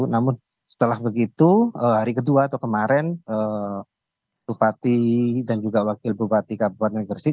namun setelah begitu hari kedua atau kemarin bupati dan juga wakil bupati kabupaten gersik